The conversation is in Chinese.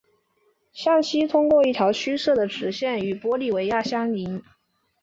向西通过一条虚设的直线与玻利维亚相邻。